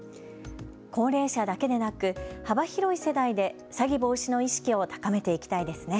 高齢者だけでなく幅広い世代で詐欺防止の意識を高めていきたいですね。